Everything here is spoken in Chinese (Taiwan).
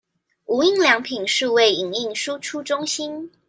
無印良品數位影印輸出中心